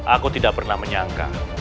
aku tidak pernah menyangka